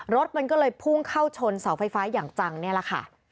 รถมันก็เลยพุ่งเข้าชนเสาไฟฟ้าอย่างจังนี่แหละค่ะ